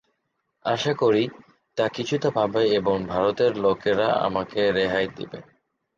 আশা করি, তা কিছুটা পাব এবং ভারতের লোকেরা আমাকে রেহাই দেবে।